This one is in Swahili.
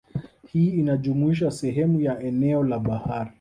Hii inajumuisha sehemu ya eneo la bahari